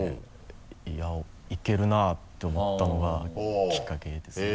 いやぁいけるなと思ったのがきっかけですね。